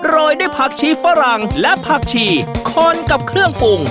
ยด้วยผักชีฝรั่งและผักชีคนกับเครื่องปรุง